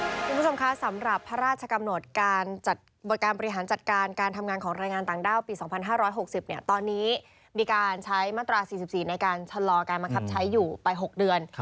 คุณผู้ชมคะสำหรับพระราชกำหนดการจัดการบริหารจัดการการทำงานของแรงงานต่างด้าวปี๒๕๖๐ตอนนี้มีการใช้มาตรา๔๔ในการชะลอการบังคับใช้อยู่ไป๖เดือน